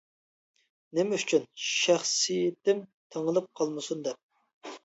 نېمە ئۈچۈن؟ شەخسىيىتىم تېڭىلىپ قالمىسۇن دەپ.